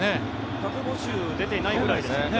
１５０出てないぐらいですね。